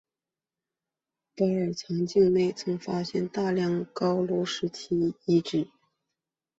巴尔藏境内曾发现大量高卢时期的遗址。